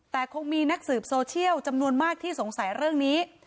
แต่คงมีนักสืบโซเชียลจำนวนมากที่สงสัยเรื่องนี้